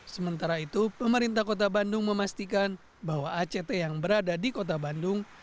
sementara itu pemerintah kota bandung memastikan bahwa act yang berada di kota bandung